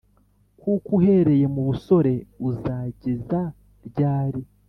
Kuko uhereye mu busore uzageza ryari?